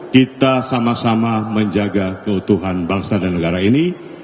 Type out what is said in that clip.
kita sama sama menjaga keutuhan bangsa dan negara ini